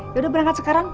yaudah berangkat sekarang